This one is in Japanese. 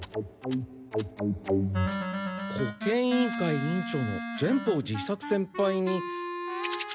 保健委員会委員長の善法寺伊作先輩に。